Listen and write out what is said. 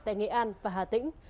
tại nghệ an và hà tĩnh